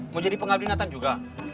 mau jadi pengabdinatan juga